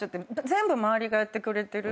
全部周りがやってくれてる。